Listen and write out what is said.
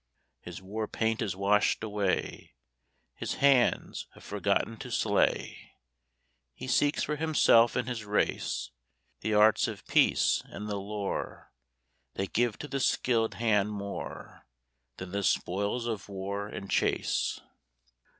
His war paint is washed away, His hands have forgotten to slay; He seeks for himself and his race The arts of peace and the lore That give to the skilled hand more Than the spoils of war and chase.